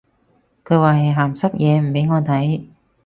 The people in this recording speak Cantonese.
佢話係鹹濕嘢唔俾我睇